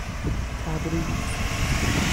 تبریز